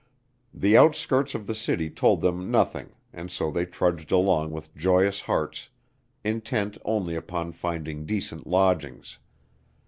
The outskirts of the city told them nothing and so they trudged along with joyous hearts intent only upon finding decent lodgings.